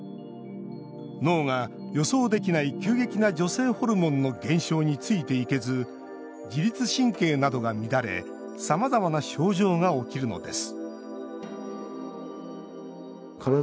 脳が、予想できない急激な女性ホルモンの減少についていけず自律神経などが乱れさまざまな症状が起きるのです